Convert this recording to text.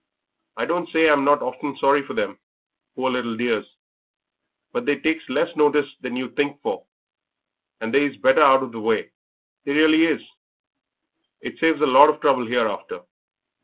I don't say I'm not often sorry for them, poor little dears, but they takes less notice than you'd think for, and they is better out of the way; they really is, it saves a lot of trouble hereafter.